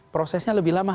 prosesnya lebih lama